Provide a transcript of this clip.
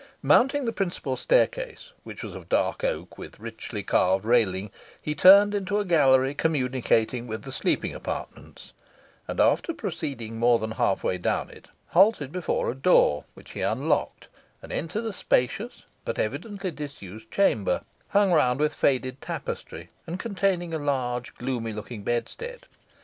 Mounting the principal staircase, which was of dark oak, with richly carved railing, he turned into a gallery communicating with the sleeping apartments, and, after proceeding more than half way down it, halted before a door, which he unlocked, and entered a spacious but evidently disused chamber, hung round with faded tapestry, and containing a large gloomy looking bedstead.